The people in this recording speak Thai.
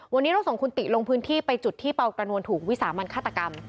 วันนี้เราส่งคุณติลงพื้นที่ไปจุดที่เปากระนวลถูกวิสามันฆาตกรรม